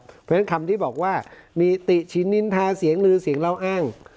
เพราะฉะนั้นคำที่บอกว่ามีติชินนินทาเสียงลือเสียงเล่าอ้าง